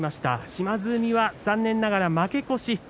島津海が残念ながら負け越し。